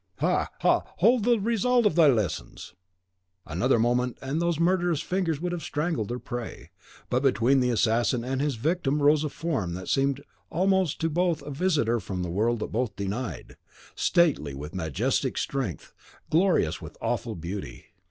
Ha, ha! behold the result of thy lessons." Another moment and those murderous fingers would have strangled their prey. But between the assassin and his victim rose a form that seemed almost to both a visitor from the world that both denied, stately with majestic strength, glorious with awful beauty.